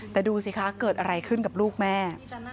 แต่ดูสิคะเกิดอะไรขึ้นกับลูกแม่